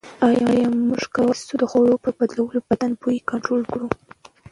ایا موږ کولای شو د خوړو په بدلولو بدن بوی کنټرول کړو؟